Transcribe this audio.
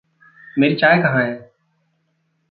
मेरी चाय कहाँ है?